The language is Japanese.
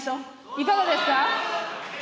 いかがですか。